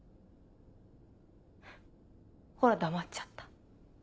フッほら黙っちゃった。